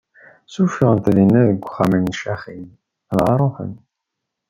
Ssufɣen-d Dina seg uxxam n Caxim, dɣa ṛuḥen.